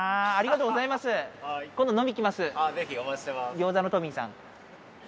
餃子のトミーさん